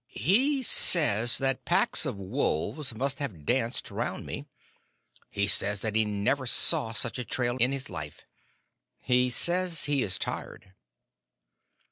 "He says that packs of wolves must have danced round me. He says that he never saw such a trail in his life. He says he is tired."